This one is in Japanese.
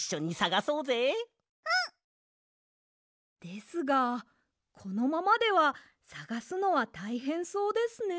ですがこのままではさがすのはたいへんそうですね。